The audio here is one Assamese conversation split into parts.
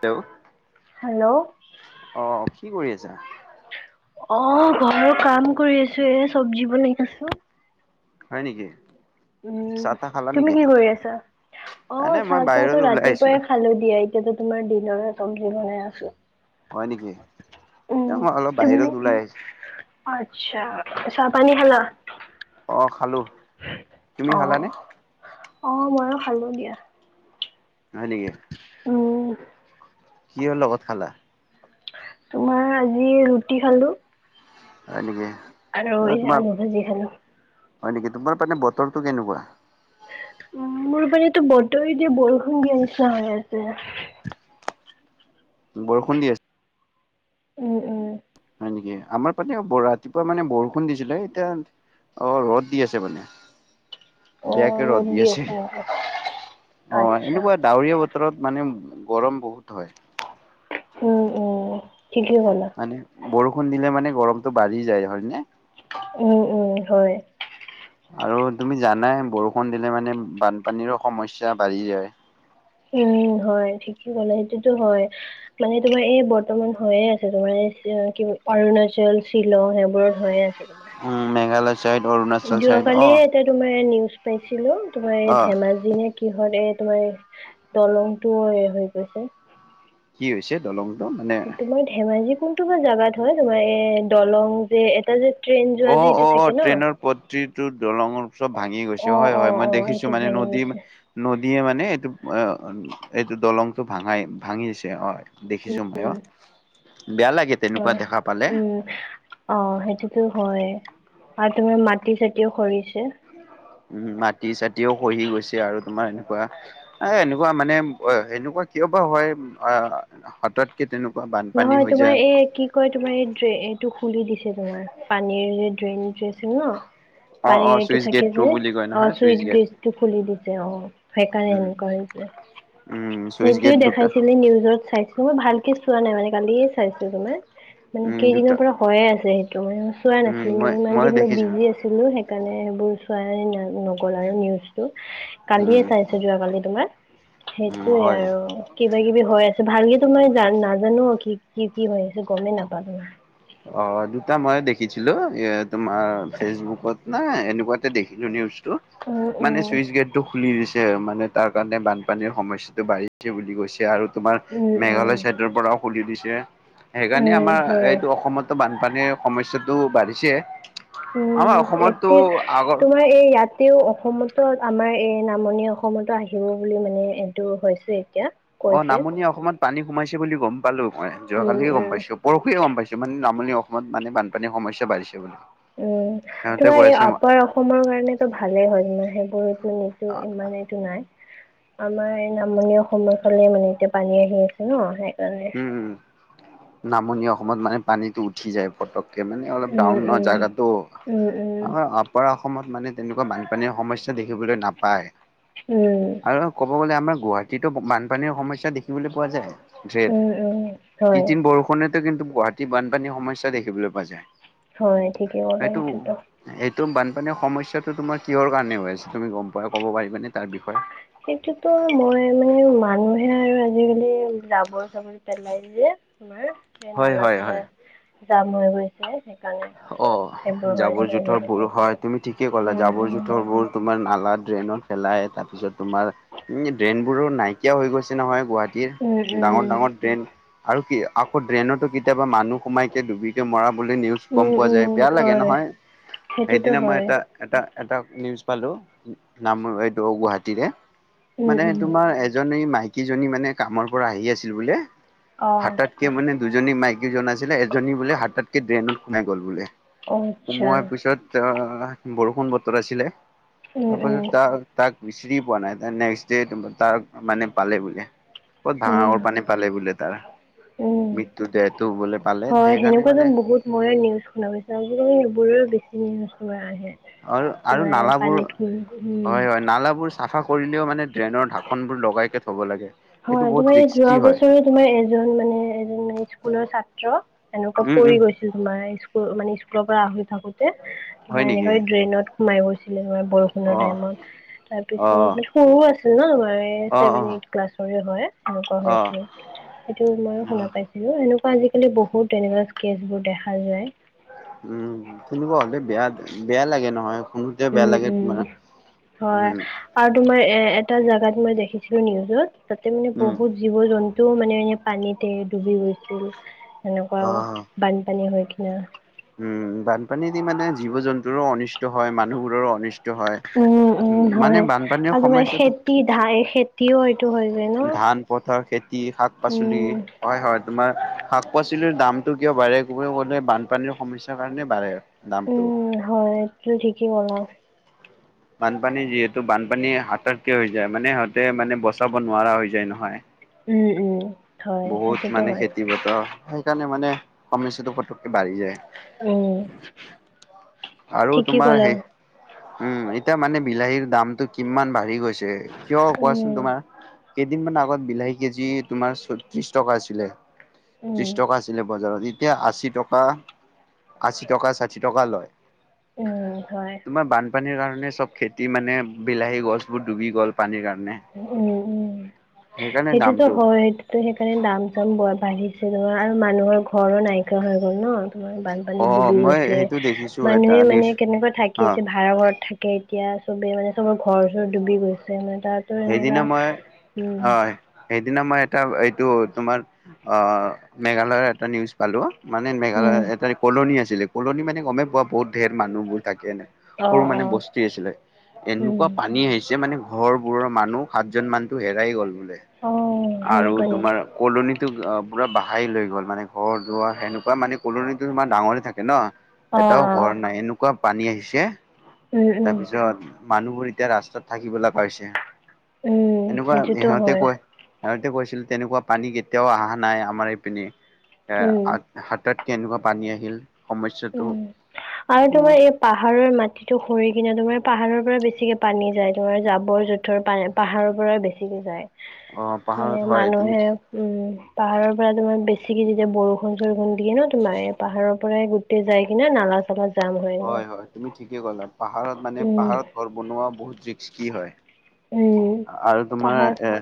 তেওঁ হেল্ল' অ' কি কৰি আছা? অ' ঘৰৰ কাম কৰি আছো, এ চব্জি বনাই খাইছো। হয় নেকি। উম, চাহ তাহ খালা তুমি নেকি কি কৰি আছা? অ', এনে মই চাহ বাহিৰত চাহতো ওলাই আহিছিলো ৰাতিপুৱাই খালো দিয়া, এতিয়া তোমাৰ দিনৰ চব্জি বনাই আছো। হয় নেকি, উম এ মই অলপ তুমি বাহিৰত ওলাই আহিছো। আচ্ছা, চাহপানী খালা? অ', খালোঁ। অ', অ', ময়ো খালো দিয়া। হয় নেকি। উম। কিহৰ লগত খালা? তোমাৰ আজি ৰুটি খালো। হয় নেকি। আৰু অ এই তোমাৰ আলু ভাজি খালোঁ। হয় নেকি, তোমাৰ পিনে বতৰটো কেনেকুৱা? উ মোৰ পিনেতো বতৰ এতিয়া বৰষুণ দিয়া নিচিনা হৈ আছে। বৰষুণ দি আছে উম উম। হয় নেকি, আমাৰ পিনেও ব ৰাতিপুৱা মানে বৰষুণ দিছিলে এতিয়া অ', ৰ'দ দি আছে মানে, বেয়াকে ৰ'দ দি আছে। অ', আচ্ছা এনেকুৱা ডাৱৰীয়া বতৰত মানে গৰম বহুত হয়। উম উম, ঠিকেই ক'লা। মানে বৰষুণ দিলে মানে গৰমটো বাঢ়ি যায়, হয় নে? উম উম, হয়। আৰু তুমি জানাই বৰষুণ দিলে মানে বানপানীৰো সমস্যা বাঢ়ি যায়। উম হয় ঠিকেই ক'লো, সেইটোতো হয়, মানে তোমাৰ এই বৰ্তমান হইয়ে আছে তোমাৰ কি অৰুণাচল, শ্বিলং সেইবোৰত হৈয়ে আছে। তোমাৰ উম মেঘালয় চাইড অৰুণাচল চাইড অ, যোৱাকালিয়ে এটা তোমাৰ নিউজ পাইছিলো তোমাৰ অ, ধেমাজি নে কি হত তোমাৰ দলংটো হৈ গৈছে কি হৈছে দলং? তোমাৰ ধেমাজি কোনটো বা জাগাত হয়, তোমাৰ এই দলং যে এটা যে ট্ৰেইন যোৱা যে অ', এইটো অ', থাকে ন ট্ৰেইনৰ পট্টিটো দলংৰ চব ভাঙি গৈছে, অ হয় অ হয় মই অ দেখিছো এইটো মানে ভাঙি নদী গৈছে নদীয়ে মানে এইটো এইটো দলংটো ভাঙাই ভাঙিছে হয়। দেখিছো উম ময়ো। হয়, উম, অ', সেইটোতো হয়, আৰু তুমাৰ মাটি চাটিও সৰিছে উ মাটি চটিও খহি গৈছে, আৰু তোমাৰ এনেকুৱা এ এনেকুৱা মানে অ', সেনেকুৱা কিয় বা হয়। অহ হথাতকে তেনেকু নহয় তোমাৰ এই কি কয় তোমাৰ এই এইটো খুলি দিছে তোমাৰ পানীৰ। ট্ৰেইন চছিল ন। অ অ পানীৰটো চুইচ গেট থাকে টু যে বুলি কয় অ', নহয় চুইচ গেট গিচটো খুলি দিছে অ', সেইকাৰণে উম এনেকুৱা হৈছে। উম চুইচ গেট সেইটোয়ে দুটা দেখাইছিলে নিউজত চাইছিলো মই ভালকে চোৱা নাই মানে কালিয়ে চাইছো তোমাৰ। মানে উম কেইদিনৰ দুটা পৰা হয়য়ে আছে সেইটো মানে মই চোৱা উম নাছিলো মানে মই ইমান দিন মই দেখিছো বিজি আছিলোঁ। সেইকাৰণে সেইবোৰ চোৱাই নগ'ল আৰু নিউজটো। কালিয়ে উম চাইছো যোৱ কালি তোমাৰ। উম সেইটোয়ে হয় আৰু কিবা কিবি হৈ আছো ভালক তো মই জান নাজ জানো কি, কি, কি হৈ আছে গমেই নাপালোঁ। অ', দুটা মই দেখিছিলো এ তোমাৰ ফেচবুকত না এনেকুৱাতে দেখিলো নিউজ। উম উম মানে চুইচ গেট টো খুলি দিছে। যে মানে তাৰ কাৰণে বানপানীৰ সমস্যাটো বাঢ়িছে বুলি কৈছে আৰু। তোমাৰ উম উম মেঘালয় চাইডৰ পৰাও খুলি দিছে সেইকাৰণে উম আমাৰ হয়। এই বানপানীৰ সমস্যাটো বাঢ়িছে। আমাৰ উম, অসমতো এতি আগৰ তোমাৰ এই ইয়াতেও অসমতো আমাৰ এ নামনি অসমতো আহিব বুলি মানে এইটো হৈছে এতিয়া। অ', কৈছে। নামনি অসমত পানী সোমাইছে বুলি ক'ম পালোঁ উম যোৱাকালিে গম উম। পাইো পৰহুৱয়ে গম পাইছোঁ মানে নামনি অসমত মানে বানপানীৰ সমস্যা বাঢ়িছে বুলি। উম, সিহঁতে কৈ তোমাৰ এই আছে আপাৰ অসমৰ কাৰণ তো ভালে হয় তোমাৰ সেইবোৰত নিছো ইমান। মে এইটো নাই আমাৰ এই নামনি অসমৰ ফালে মানে এতিয়া পানী আহি আছে ন স উম, নামনি অসমত মানে পানীতো উঠি যায় ফটক ত মানে অলপ উম ডাউনাৰ উম জেগাতো উম উম আমাৰ আপাৰ অসমত মানে তেনেকুৱা বানপানীৰ সমইছা দেখিবলৈ নাপায় উম আৰু ক'ব গলে। আমাৰ গুৱাহাটীতো বানপানীৰ সমস্্যা দেখিবলৈ পোৱা উম যায় েদ উম হয়। কদিন বৰষুণে। কিন্তু গুৱাহাটী বানপানীৰ সমস্যা দেখিবলৈ পোৱা যায়। হয় ঠিকেই কলে এইটোতো। তম বানপানীৰ সমস্যাটো তোমাৰ কিহৰ কাৰণে হৈ আছে, তুমি গম পোৱাাই ক'ব পাৰিবানে তাৰ বিষয়ে। সেইটোতো মই মানে মানুহে আৰু আজিকালি জাবৰ চাবৰি পেলাই যে। তমাৰ এই হয় নালা হয় চালে হয়। জাম হৈ গৈছে। সেইকাৰণে অ', সেইবোৰ জাবৰ হৈছে জোথৰ আজিকালি বোৰ হয় তুমি ঠিকেই ক'লা উম জাবৰ উম জোথৰ বোৰ তোমাৰ নালাত। ড্ৰেইনত পেলাই তাৰ পিছত তোমাৰ ড্ৰেইনবোৰো নাই। এতিয়াও হৈ গৈছে নহয় গুৱাহাটীৰ উম ডাঙৰ, ডাঙৰ ট্ৰেইন। আৰু কি আকৌ ড্ৰেইনতো কেতিয়াবা মানুহ সোমাই কেে ডুবি কেে মৰাবলৈ নি গম উম পোৱা উম যায় উম বেয়া লাগে হয় নহয় সেইটোতো সেইদিনা মই হয় এটা, এটা। এটা নিউজ পালোঁ নাম এইটো গুৱাহাটীৰে। মানে তোমাৰ এজনী মাইকীজনী মানে কামৰ পৰা আহি আছিল বোলে। অঁ হাতাতকে মানে দুজনী মাইকীজন আছিলে এজনী বোলে হাতাতকে ড্ৰেইনত সোমাই গ'ল বোলে। অঁ আচ্ছা সুমোৱাৰ পিছত আহ বৰষুণ বতৰ আছিলে। উম তপ উম ত তাক বিচৰি পোৱা নাই নেক্স দে তাৰ মানে পালে বুললে ক'ত উম ভাঙাৰ পানী পালে বোলে। তাৰ উম, মৃত্যু দেহটো বোলে পালে হয়, সেইকাৰণে সেনেকুৱা মানে যেন বহুত মই নিউজ শুনা পাইছো আজিকালি সেইবোৰেও বেছি নি আহে আৰু, আৰু তোমাৰ নালাবোৰ পানীত হয়, উম হয়, নালাবোৰ চাফা কৰিলেও মানে ড্ৰেইনৰ ঢাকন বোৰ লগাই কে থাক হয়, তুমাৰ যোৱা বছৰো তোমাৰ এজন মানে এজন স্কুলৰ ছাত্ৰ এনেকুৱা। উম পৰি উম গৈছিল তোমাৰ। মানে স্কুলৰ পৰা আহি থাকোতে হয় কিবা নেকি এনেকৈ ড্ৰেইনত সোমাই গৈছিলে বৰষুণৰ অ টাইমত অ তাৰপিছত সৰু আছিল ন আমাৰ অ', এইভেন অ', এইট ক্লাছৰেই হয় এনেকুৱা হৈ অ', হৈছে সেইটো মই শুনা অ', পাইছিলো এনেকুৱা। আজিকালি বহুত তেনেকুৱা স্কেচবোৰ দেখা যায়। উম, তেনেকুৱা হ'লে বেয়া বেয়া লাগে নহয়। শুনোতে বেয়া উম', লাগে তোমাৰ উম' হয়। উম, আৰু তোমাৰ এ এটা জোগাত মই দেখিছিলোঁ নিউজত, তাতে মান উম, বহুত জীৱ-জন্তু টো মানে এনে পানীতে ডুবি গৈছিল, এনেকুৱা অ', বানপানী হৈ কিনে উম বানপানীদি মানে জীৱ জন্তুৰো অনিষ্ট হয়, মানুহবোৰৰ উম উম হয়, বানপানীৰ আৰু ত সমস্যাটো খেতি ধাই খেতিও সটো হৈ যায় ন'। ধান, পথাৰ, খেতি, শাক পাচলি, উম হয় হয়। তোমাৰ শাক পাচলিৰ দামতটো কিয় বাঢ়ে গ'লে বানপানীৰ সমস্যাৰ কাৰণে বাঢ়ে দামটো। উম হয়, এইটো ঠিকেই ক'লা। বানপানী যিহেতু বানপানী হাথাতকে হৈ যায়। মানে সিহঁতে মানে বচাব নোৱাৰা হৈ যায় নহয়। উম', উম'। হয় বহুত সেইটোতো মানে হয় খেতি পথাৰ, সেইকাৰণে মানে কমিছটো পটককে বাঢ়ি যায়। উম। আৰু ঠিকেই তোমাৰ ক'লা সেই উম, এতিয়া মানে বিলাহীৰ দামতটো কিমান বাঢ়ি গৈছে। গৈছে। কিয় কোৱাচোন উম তোমাৰ? কেইদিনমান আগত বিলাহী কেজি তোমাৰ চত্ৰিশ টকা আছিলে। উম ত্ৰিশ টকা আছিলে বজাৰত। এতিয়া আশী, টকা আশী টকা ষাশী টকা লয়। উম হয় তোমাৰ বান বানপানীৰ কাৰণে চব খেতি মানে বিলাহী গছবোৰ ডুবি গ'ল পানীৰ কাৰণে। উম', উম' সেইকাৰণে সেইটোতো দামটো হয়। সেইটোতো সেইকাৰণে দাম চাম বৰ বাঢ়ি [unintelligible] আৰু মানুহৰ ঘৰো নাইকা হৈ গ'ল ন। তোমাৰ অ বানপানীত ডুবি মই গৈছে। সেইটো দেখিছো এটা মানুহে নিউজ মানে কেনেকুৱা থাকি অ আছে ভাড়া ঘৰত থাকে এতিয়া। চবে মানে, চবৰ ঘৰ-চৰ ডুবি গৈছে মানে তাতো এনেকা সেইদিনা মই উম। হয় সেইদিনা মই এটা, এইটো তোমাৰ মেঘালয়ৰ এটা নিউজ পালোঁ। মানে উম মেঘালয়ত এটা কলনী আছিলে, কলনী মানে গমেই পোৱা বহুত ধেৰ মানুহবোৰ। থাকে ন, অ সৰু অ মানে বস্তী আছিলে। উম এনেকুৱা পানী আহিছে মানে ঘৰবোৰ মানুহ সাতজন মানতটো হেৰাই গ'ল বোলে অ আৰু সেনেকুৱা তোমাৰ নেকি কলনীত টো অহ, পুৰা বাহি লৈ গ'ল মানে ঘৰ-দোবাৰ সেনেকুৱা মানে কলনিটো ইমান ডাঙৰে থাকে ন। অ এটাও অ ঘৰ নাই, এনেকুৱা পানী আহিছে উম উম তাৰপিছত মানুহবোৰ এতিয়া ৰাস্তাত থাকিবৈ পাইছে। উম এনেকুৱা সেইটোতো সিহঁতে হয় কয় সিহঁতে কৈছিল, তেনেকুৱা পানী কেতিয়াও অহা নাই আমাৰ এইপিনে উম হাতত কেনেকুৱা পানী আহিল। সমস্যাটো উম আৰু তোমাৰ এই পাহাৰৰ মাটিতটো সৰি কিনে তোমাৰ পাহাৰৰ পৰা বেছিকে পানী যায়। তোমাৰ জাবৰ-জোথৰ পানী পাহাৰৰ পৰা বেছিকে যায়। অ মানে পাহাৰত হয় তুমি মানুহে উম। পাহাৰৰ পৰা তোমাৰ বেছিকে যেতিয়া বৰষুণ-চৰষুণ দিয়ে ন, তোমাৰ পাহাৰৰ পৰাই গোটেই গোটেই যায় কিনে নালা চালাত হয় হয় তুমি ঠিকে ক'লা। পাহাৰত মানে উম পাহাৰত ঘৰ বনোৱা বহুত ৰিস্কী হয়। উম আৰু তোমাৰ পাহাৰ এ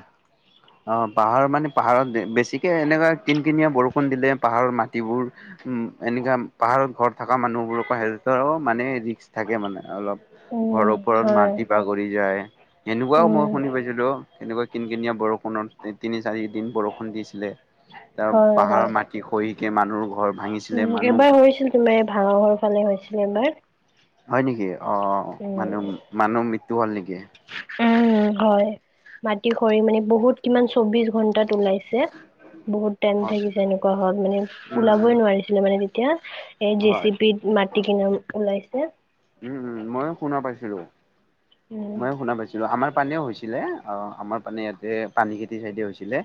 অহ পাহাৰৰ মানে, পাহাৰত বেছিকে এনেকুৱা কিন-কিনিয়া বৰষুণ দিলে পাহাৰৰ মাটিবোৰ উম এনেকা পাহাৰত ঘৰত থকা মানুহবোৰৰ হেল্থৰ মানে ৰিক্স থাকে মানে অলপ। ঘৰৰ উম ওপৰত হয় মাটি বাগৰি যায়। এনেকুৱাও উম মই শুনি পাইছিলোঁ। কেনেকুৱা কিন কিনিয়া বৰষুণত তিনি চাৰি দিন বৰষুণ দিছিলে, ত' হয় পাহাৰ হয় মাটি খহিকে মানুহ ঘৰ ভাঙিছিলে উম এবাৰ হৈছিল তোমাৰ, ভাঙাঘৰ ফালে হৈছিল এবাৰ। হয় নেকি, অহ মানুহ উম মানুহ মৃত্যু হ'ল নেকি? উম, হয় মাটি খৰি মানে বহুত কিমান চৌবিশ ঘন্টাত ওলাই। বহুত টাইম অ থাকিছে এনেকুৱা হত মানে উম ওলাবই উম নোৱাৰিছিলে মানে তেতিয়া এই হয় জেচিপ মাটি কিনা ওলাইছে। উম, উম, ময়ো শুনা পাইছিলো, উম ময়ো শুনা পাইছিলো আমাৰ পানেও হৈছিলে, অ' আমাৰ পানে ইয়াতে পানী খাইতি চাইডে হৈছিলে।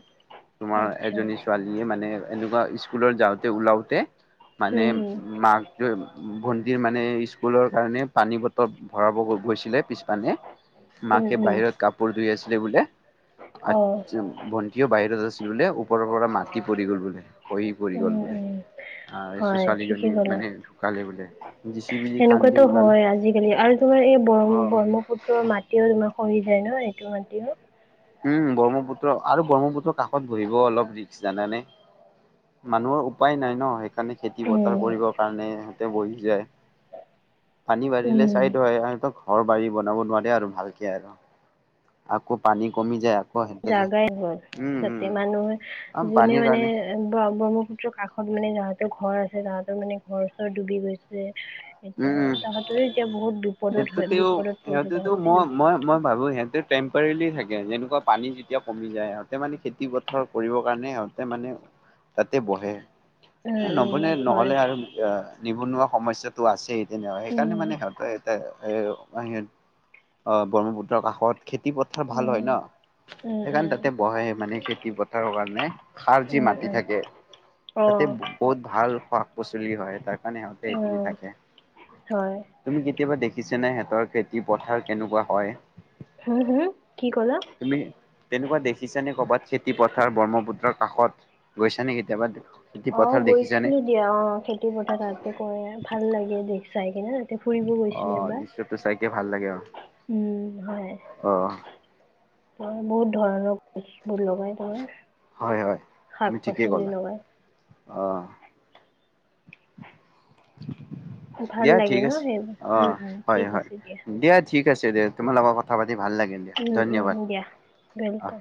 তোমাৰ আচ্ছা এজনী ছোৱালীয়ে মানে এনেকুৱা স্কুলত যাওঁতে ওলাওতে মানে উম মাকটো ভন্টিৰ মানে স্কুলৰ কাৰণে পানী বটল ভৰাব গৈছিলে, পিছ পানে হম উম মাকে উম বাহিৰত কাপোৰ ধুই আছিল। বোলে অ আচ ভণ্টি কিয় বাহিৰত আছিল বোলে, ওপৰৰ পৰা মাটি পৰি গ'ল বোলে খহি পৰি উম গ'ল বোলে। উম অহ হয় ছোৱালীজনী ঠিকেই ক'লা মানে ঢুকালে বোলে, জেচি বি খান্দি সেনেকুৱাতো ওলালে হয় আজিকালি, আৰু তোমাৰ এই ব্ৰ অ ব্ৰহ্মপুত্ৰৰ মাটিও তোমাৰ খহি যায় ন, এইটো মাটিও। উম, ব্ৰহ্মপুত্ৰ আৰু ব্ৰহ্মপুত্ৰ কাষত বহিবও অলপ ৰিক্স জানানে? মানুহৰ উপায় নাই ন সেই সেইকাৰণে খেতি পথাৰ উম কৰিবৰ কাৰণে সিহঁতে বহি যায়। পানী বাহিলে উম চাইড হয় [unintelligible] ঘৰ বাৰী বনাব নোৱাৰে আৰু ভালকে আৰু, আকৌ পানী কমি যায় আৰু জাগাই হ'ল তাতে মানুহে আম যোনে পানীৰ মানে কাৰণে ব্ৰহ্মপুত্ৰ পুত্ৰ কাষত মানে যাহতৰ ঘৰ আছে, তাহাঁতৰ মানে ঘৰ- চৰ ডুবি গৈছে। উম, এতিয়া, উম। মানে তাহাঁতেৰ এতিয়া বহুত বিপদত- সিহঁতেও বিপদত পৰিছে তাহাঁতে। সিহঁতটো টেম্পৰেলি থাকে, যেনেকুৱা পানী যেতিয়া কমি যায়। সিহঁতে মানে খেতি পথাৰ কৰিবৰ কাৰণে তাতে মানে তাতে বহে, উম নবনে উম হয় নহ'লে আৰু নিবনুৱা সমস্যাটো আছেই, তেনেকুৱা সেইকাৰণে উম মানে সিহঁতৰ এতিয়া অ' ব্ৰহ্মপুত্ৰৰ কাষত খেতি পথাৰ উম ভাল হয় ন? উম সেইকাৰণে উম তাতে বহে, মানে খেতি পথাৰৰ কাৰণে সাৰ যি উম মাটি উম থাকে অ তাতে বহুত ভাল শাক-পাচলি হয়, তাৰ কাৰণে সিহঁতে সেইখিনিত উম থাকে হয় তুমি কেতিয়াবা দেখিছা নে সিহঁতে ধৰা খেতি পথাৰ কেনেকুৱা হয়? হম, হম, কি ক'লা? তুমি তেনেকুৱা দেখিছা নে ক'ৰবাত খেতি পথাৰ ব্ৰহ্মপুত্ৰৰ কাষত গৈছানে কেতিয়াবা? খেতি অ' পথাৰ দেখিছানে গৈছিলো দিয়া, অ' খেতি পথাৰ তাতে কৰে ভাল লাগে দে চাই কিনে। ফুৰিব অ গৈছিলো এবাৰ দৃশ্যটো চাইকে ভাল লাগে আৰু উম, হয়, অ বহুত ধৰণৰ গৈছোঁ। [inaudible] লগাই তোমাৰ হয় হয় তুমি ঠিকেই শাক-পাচলি ক'লা লগাই। অ' ভাল দিয়া লাগে ঠিক ন আছে। সেইবোৰ উম অ' উম হয়, ঠিক হয়, আছে দিয়া। ঠিক আছে দিয়া, তোমাৰ লগত কথা পাতি ভাল লাগিল দিয়া, উম উম ধন্যবাদ দিয়া ৱেলকাম অ'।